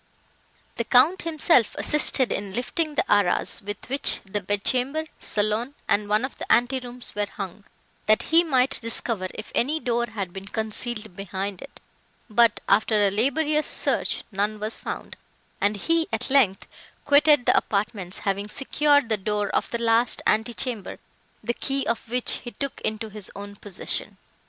The Count himself assisted in lifting the arras, with which the bed chamber, saloon and one of the ante rooms were hung, that he might discover if any door had been concealed behind it; but, after a laborious search, none was found, and he, at length, quitted the apartments, having secured the door of the last ante chamber, the key of which he took into his own possession.